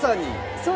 そう。